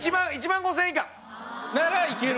ならいける？